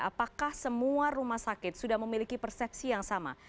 apakah semua rumah sakit sudah memiliki persepsi yang sama